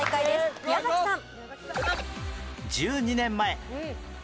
宮崎さん。